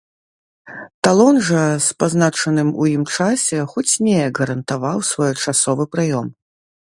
Талон жа з пазначаным у ім часе хоць неяк гарантаваў своечасовы прыём.